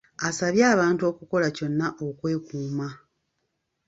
Asabye abantu okukola kyonna okwekuuma.